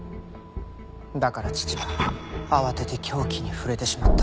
だから父は慌てて凶器に触れてしまった。